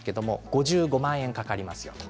５５万円かかります。